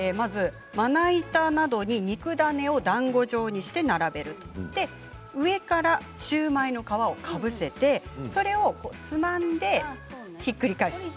まず、まな板などに肉ダネをだんご状にして並べる上からシューマイの皮をかぶせてそれをつまんで、ひっくり返す。